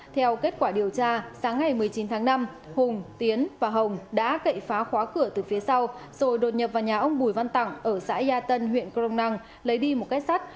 theo kết quả điều tra sáng ngày một mươi chín tháng năm hùng tiến và hồng đã cậy phá khóa cửa từ phía sau rồi đột nhập vào nhà ông bùi văn tặng ở xã gia tân huyện crong năng lấy đi một cái sắt